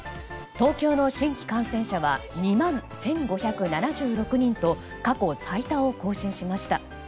東京の新規感染者は２万１５７６人と過去最多を更新しました。